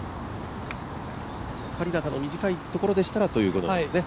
短いところでしたらということですね。